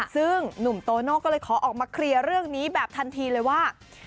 ซึ่งหนุ่มโตโน่ก็เลยขอออกมาเคลียร์เรื่องนี้แบบทันทีเลยว่า